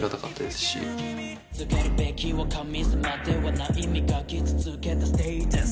すがるべきは神様ではない磨き続けたステータス